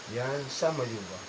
yang sama juga